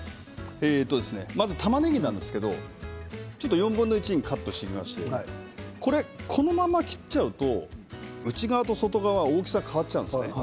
まずたまねぎなんですけれど４分の１にカットしましてこのまま切っちゃうと内側と外側大きさが変わっちゃうんです。